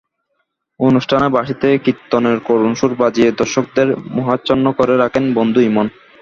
অনুষ্ঠানে বাঁশিতে কীর্তনের করুণ সুর বাজিয়ে দর্শকদের মোহাচ্ছন্ন করে রাখেন বন্ধু ইমন।